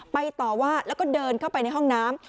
ต่อว่าแล้วก็เดินเข้าไปในห้องน้ำ